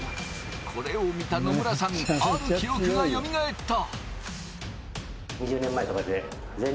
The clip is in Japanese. これを見た野村さん、ある記憶がよみがえった。